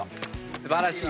素晴らしいよ。